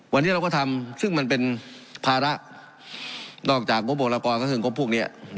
วันนี้เราก็ทำซึ่งมันเป็นภาระนอกจากงบบุรกรก็คืองบพวกนี้